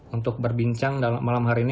untuk berbincang malam hari ini